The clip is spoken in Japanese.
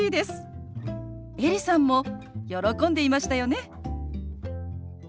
エリさんも喜んでいましたよね。